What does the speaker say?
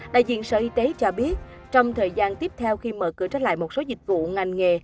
đại diện sở y tế cho biết trong thời gian tiếp theo khi mở cửa trở lại một số dịch vụ ngành nghề